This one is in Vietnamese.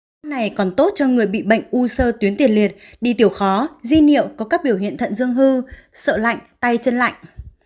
thuốc này còn tốt cho người bị bệnh u sơ tuyến tiền liệt đi tiểu khó di niệm có các biểu hiện thận dương hư sợ lạnh tay chân lạnh